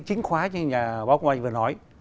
chính khóa như nhà báo công an vừa nói